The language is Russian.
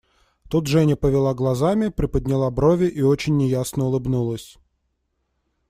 Тут Женя повела глазами, приподняла брови и очень неясно улыбнулась.